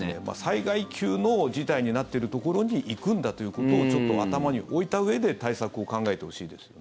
災害級の事態になっているところに行くんだということをちょっと頭に置いたうえで対策を考えてほしいですよね。